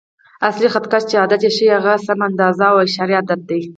اصلي خط کش چې عدد ښیي، هغه سمه اندازه او اعشاریه عدد دی.